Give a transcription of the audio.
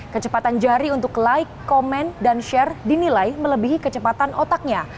kecepatan jari untuk like komen dan share dinilai melebihi kecepatan otaknya